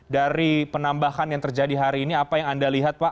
dari penambahan yang terjadi hari ini apa yang anda lihat pak